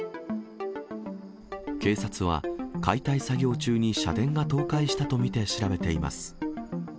警察は解体作業中に社殿が倒壊したと見て調べています。